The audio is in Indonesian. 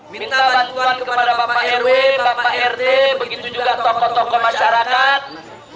minta bantuan kepada bapak rw bapak rt begitu juga tokoh tokoh masyarakat